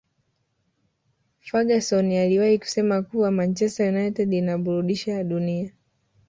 ferguson aliwahi kusema kuwa manchester united inaburudisha dunia